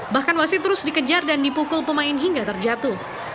bahkan wasit terus dikejar dan dipukul pemain hingga terjatuh